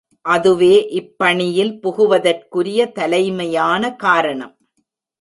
அதுவே இப்பணியில் புகுவதற்குரிய தலைமையான காரணம்.